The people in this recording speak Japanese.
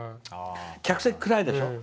客席、暗いでしょ。